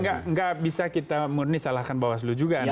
tapi tidak bisa kita murni salahkan bawaslu juga